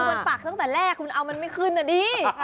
บนปากตั้งแต่แรกคุณเอามันไม่ขึ้นนะดิ